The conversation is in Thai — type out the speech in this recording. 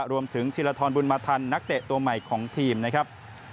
รวมถึงฮิลธรรมบุญมาธัณฑ์นักเตะตัวใหม่ของทีมนะครับ